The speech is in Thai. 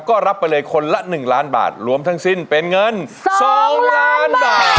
ก็รับไปเลยคนละ๑ล้านบาทรวมทั้งสิ้นเป็นเงิน๒ล้านบาท